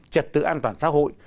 chật tự an toàn xã hội